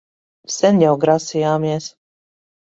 Sen jau grasījāmies...